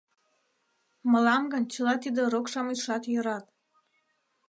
— Мылам гын чыла тиде рок-шамычшат йӧрат.